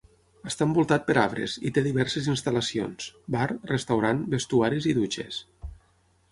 Està envoltat per arbres i té diverses instal·lacions: bar, restaurant, vestuaris i dutxes.